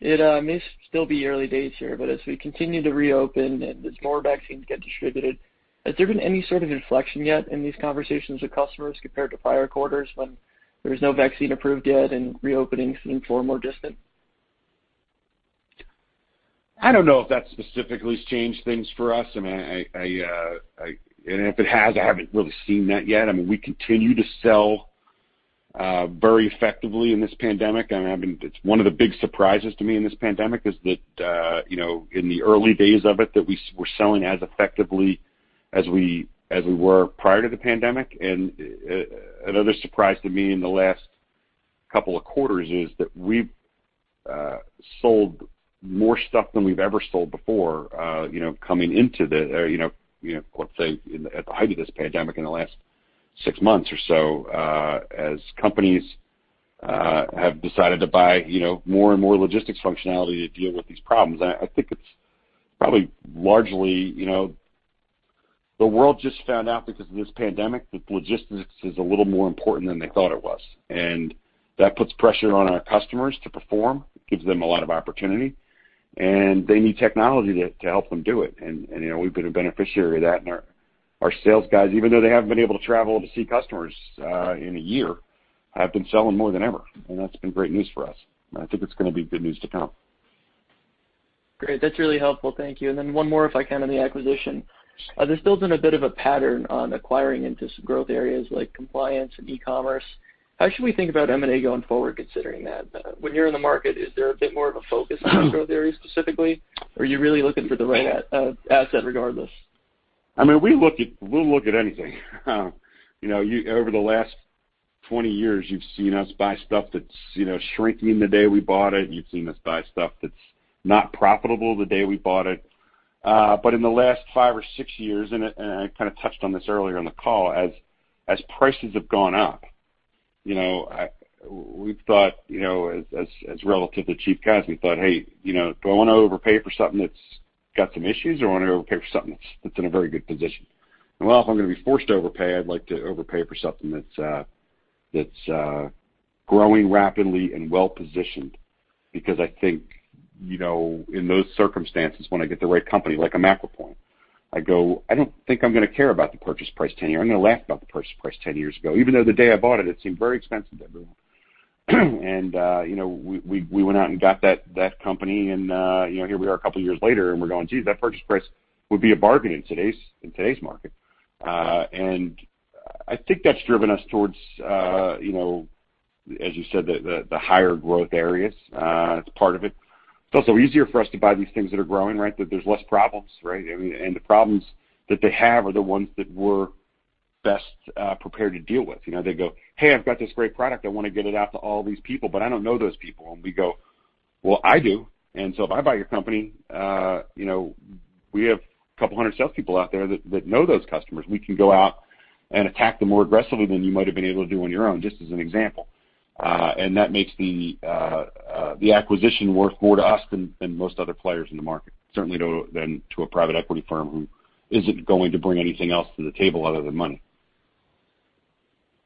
It may still be early days here, but as we continue to reopen and as more vaccines get distributed, has there been any sort of inflection yet in these conversations with customers compared to prior quarters when there was no vaccine approved yet and reopening seemed far more distant? I don't know if that specifically has changed things for us. If it has, I haven't really seen that yet. We continue to sell very effectively in this pandemic. It's one of the big surprises to me in this pandemic is that in the early days of it, that we're selling as effectively as we were prior to the pandemic. Another surprise to me in the last couple of quarters is that we've sold more stuff than we've ever sold before at the height of this pandemic in the last six months or so, as companies have decided to buy more and more logistics functionality to deal with these problems. I think it's probably largely the world just found out because of this pandemic that logistics is a little more important than they thought it was. That puts pressure on our customers to perform. It gives them a lot of opportunity, and they need technology to help them do it. We've been a beneficiary of that, and our sales guys, even though they haven't been able to travel to see customers in a year, have been selling more than ever, and that's been great news for us. I think it's going to be good news to come. Great. That's really helpful. Thank you. Then one more, if I can, on the acquisition. This builds in a bit of a pattern on acquiring into some growth areas like compliance and e-commerce. How should we think about M&A going forward considering that? When you're in the market, is there a bit more of a focus on those growth areas specifically? Are you really looking for the right asset regardless? We'll look at anything. Over the last 20 years, you've seen us buy stuff that's shrinking the day we bought it. You've seen us buy stuff that's not profitable the day we bought it. In the last five or six years, and I kind of touched on this earlier in the call, as prices have gone up, we've thought, as relatively cheap guys, we thought, "Hey, do I want to overpay for something that's got some issues, or do I want to overpay for something that's in a very good position?" Well, if I'm going to be forced to overpay, I'd like to overpay for something that's growing rapidly and well-positioned because I think, in those circumstances, when I get the right company, like a MacroPoint, I go, "I don't think I'm going to care about the purchase price 10 years. I'm going to laugh about the purchase price 10 years ago." Even though the day I bought it seemed very expensive to everyone. We went out and got that company, and here we are a couple years later, and we're going, "Geez, that purchase price would be a bargain in today's market." I think that's driven us towards, as you said, the higher growth areas. That's part of it. It's also easier for us to buy these things that are growing, right? There's less problems. The problems that they have are the ones that we're best prepared to deal with. They go, "Hey, I've got this great product. I want to get it out to all these people, but I don't know those people." We go, "Well, I do. If I buy your company, we have a couple hundred salespeople out there that know those customers. We can go out and attack them more aggressively than you might've been able to do on your own, just as an example. That makes the acquisition worth more to us than most other players in the market. Certainly than to a private equity firm who isn't going to bring anything else to the table other than money.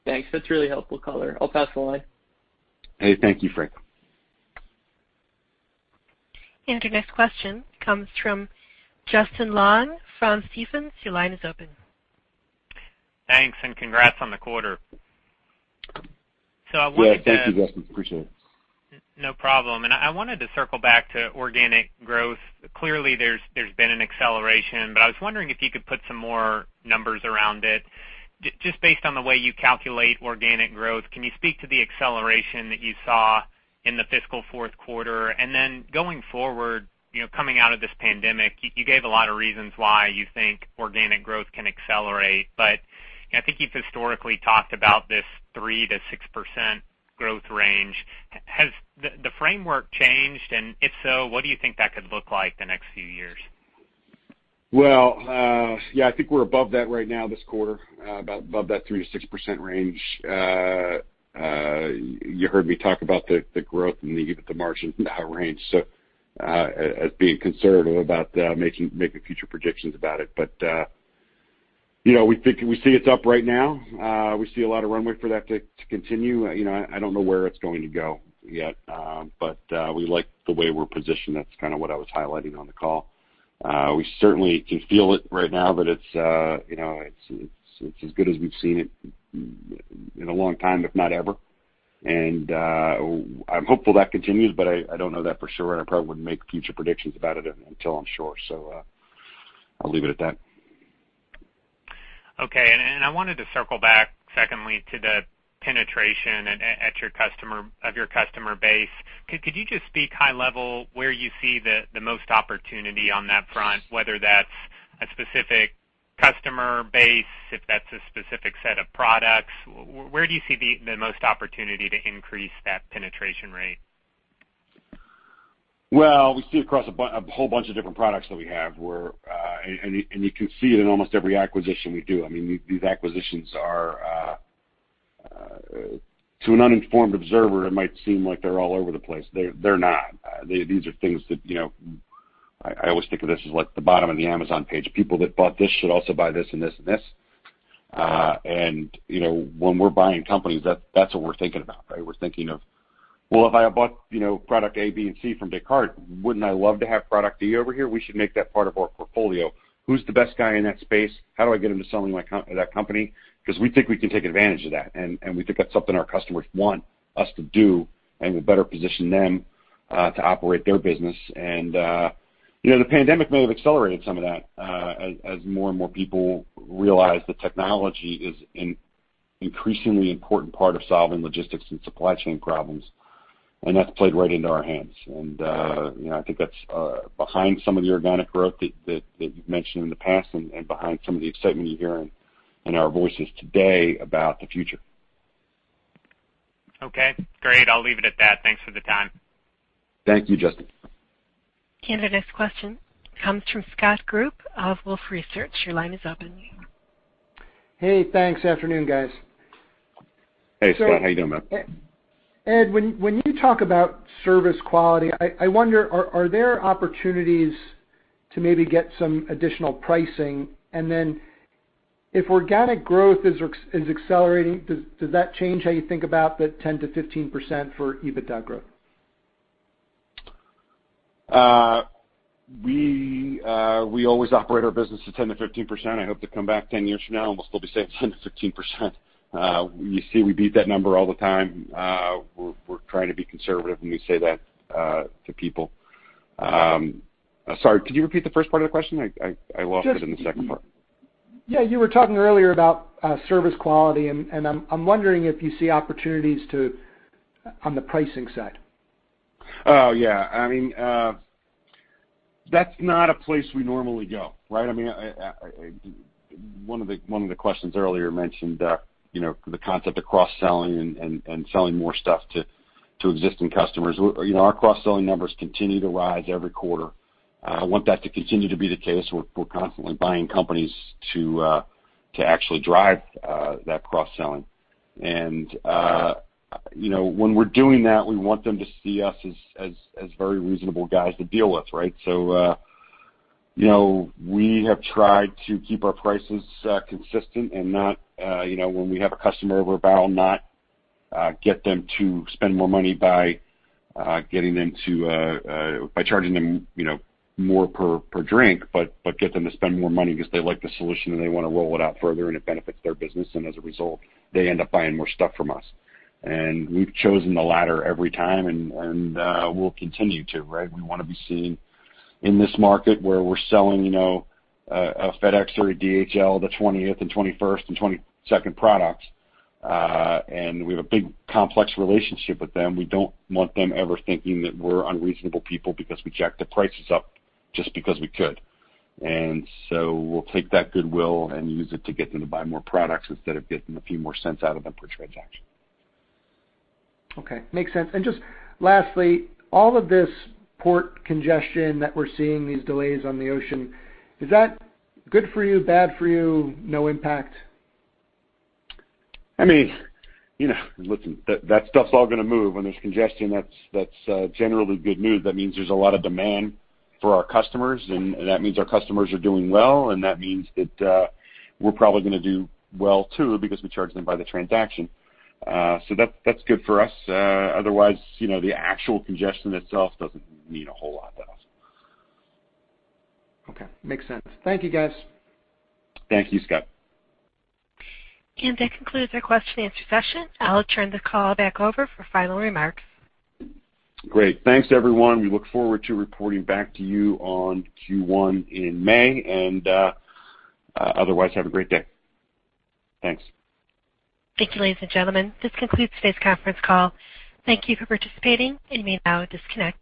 Thanks. That's really helpful color. I'll pass the line. Hey, thank you, Frank. Your next question comes from Justin Long from Stephens. Your line is open. Thanks, and congrats on the quarter. Yeah. Thank you, Justin. Appreciate it. No problem. I wanted to circle back to organic growth. Clearly, there's been an acceleration, but I was wondering if you could put some more numbers around it. Just based on the way you calculate organic growth, can you speak to the acceleration that you saw in the fiscal fourth quarter? Going forward, coming out of this pandemic, you gave a lot of reasons why you think organic growth can accelerate, but I think you've historically talked about this 3%-6% growth range. Has the framework changed? If so, what do you think that could look like the next few years? Well, yeah, I think we're above that right now, this quarter, above that 3% to 6% range. You heard me talk about the growth and the EBITDA range as being conservative about making future predictions about it. We see it's up right now. We see a lot of runway for that to continue. I don't know where it's going to go yet. We like the way we're positioned. That's kind of what I was highlighting on the call. We certainly can feel it right now, but it's as good as we've seen it in a long time, if not ever. I'm hopeful that continues, but I don't know that for sure, and I probably wouldn't make future predictions about it until I'm sure. I'll leave it at that. Okay. I wanted to circle back, secondly, to the penetration of your customer base. Could you just speak high level where you see the most opportunity on that front, whether that's a specific customer base, if that's a specific set of products? Where do you see the most opportunity to increase that penetration rate? Well, we see across a whole bunch of different products that we have where you can see it in almost every acquisition we do. These acquisitions are to an uninformed observer, it might seem like they're all over the place. They're not. These are things that I always think of this as like the bottom of the Amazon page. People that bought this should also buy this, and this, and this. When we're buying companies, that's what we're thinking about. We're thinking of, well, if I have bought product A, B, and C from Descartes, wouldn't I love to have product D over here? We should make that part of our portfolio. Who's the best guy in that space? How do I get him to selling that company? Because we think we can take advantage of that, and we think that's something our customers want us to do, and we better position them to operate their business. The pandemic may have accelerated some of that as more and more people realize that technology is an increasingly important part of solving logistics and supply chain problems, and that's played right into our hands. I think that's behind some of the organic growth that you've mentioned in the past and behind some of the excitement you hear in our voices today about the future. Okay, great. I'll leave it at that. Thanks for the time. Thank you, Justin. The next question comes from Scott Group of Wolfe Research. Your line is open. Hey, thanks. Afternoon, guys. Hey, Scott. How you doing, man? Ed, when you talk about service quality, I wonder, are there opportunities to maybe get some additional pricing? If organic growth is accelerating, does that change how you think about the 10%-15% for EBITDA growth? We always operate our business to 10%-15%. I hope to come back 10 years from now, and we'll still be saying 10%-15%. You see we beat that number all the time. We're trying to be conservative when we say that to people. Sorry, could you repeat the first part of the question? I lost it in the second part. Yeah, you were talking earlier about service quality, and I'm wondering if you see opportunities on the pricing side. Oh, yeah. That's not a place we normally go. One of the questions earlier mentioned the concept of cross-selling and selling more stuff to existing customers. Our cross-selling numbers continue to rise every quarter. I want that to continue to be the case. We're constantly buying companies to actually drive that cross-selling. When we're doing that, we want them to see us as very reasonable guys to deal with. We have tried to keep our prices consistent and not when we have a customer we're about not get them to spend more money by charging them more per drink, but get them to spend more money because they like the solution, and they want to roll it out further, and it benefits their business. As a result, they end up buying more stuff from us. We've chosen the latter every time, and we'll continue to. We want to be seen in this market where we're selling a FedEx or a DHL the 20th and 21st and 22nd products, and we have a big, complex relationship with them. We don't want them ever thinking that we're unreasonable people because we jacked the prices up just because we could. We'll take that goodwill and use it to get them to buy more products instead of getting a few more cents out of them per transaction. Okay. Makes sense. Just lastly, all of this port congestion that we're seeing, these delays on the ocean, is that good for you, bad for you, no impact? Listen, that stuff's all going to move. When there's congestion, that's generally good news. That means there's a lot of demand for our customers, and that means our customers are doing well, and that means that we're probably going to do well, too, because we charge them by the transaction. That's good for us. Otherwise, the actual congestion itself doesn't mean a whole lot to us. Okay. Makes sense. Thank you, guys. Thank you, Scott. That concludes our question and answer session. I'll turn the call back over for final remarks. Great. Thanks, everyone. We look forward to reporting back to you on Q1 in May, and otherwise, have a great day. Thanks. Thank you, ladies and gentlemen. This concludes today's conference call. Thank you for participating. You may now disconnect.